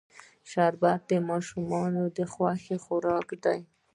شربت د ماشومانو خوښ خوراک دی